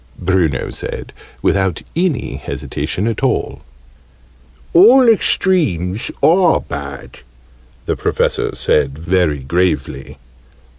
Bruno said, without any hesitation at all. "All extremes are bad," the Professor said, very gravely.